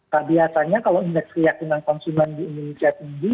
nah biasanya kalau indeks keyakinan konsumen di indonesia tinggi